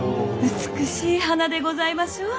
美しい花でございましょう？